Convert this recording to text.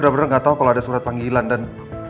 saya benar benar gak tau kalau ada surat panggilan dan